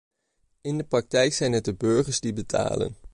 In de praktijk zijn het de burgers die betalen.